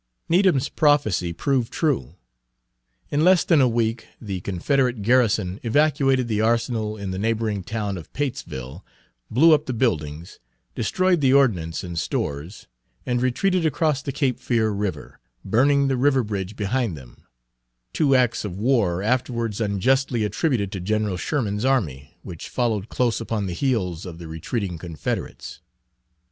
Needham's prophecy proved true. In less than a week the Confederate garrison evacuated the arsenal in the neighboring town of Patesville, blew up the buildings, destroyed Page 146 the ordnance and stores, and retreated across the Cape Fear River, burning the river bridge behind them, two acts of war afterwards unjustly attributed to General Sherman's army, which followed close upon the heels of the retreating Confederates.